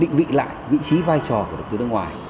định vị lại vị trí vai trò của đầu tư nước ngoài